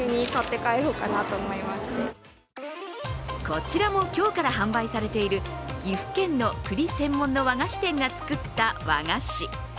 こちらも今日から販売されている岐阜県の栗専門の和菓子店が作った和菓子。